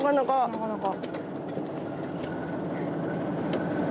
なかなか。